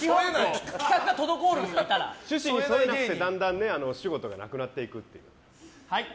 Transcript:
趣旨に沿えなくてだんだん仕事がなくなっていくという。